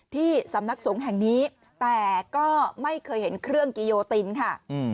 ที่สำนักสงฆ์แห่งนี้แต่ก็ไม่เคยเห็นเครื่องกิโยตินค่ะ